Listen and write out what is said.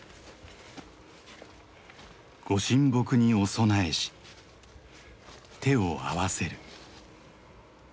ご神木にお供えし手を合わせる。